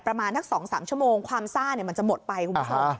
ประมาณสัก๒๓ชั่วโมงความซ่ามันจะหมดไปคุณผู้ชม